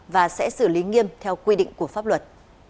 và sẽ xử lý nghiêm theo quy định của pháp luật